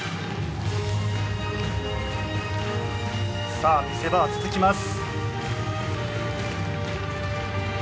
さあ見せ場は続きます。